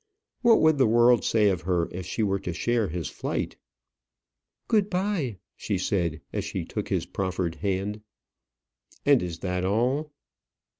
What would the world say of her if she were to share his flight? "Good bye," she said, as she took his proffered hand. "And is that all?"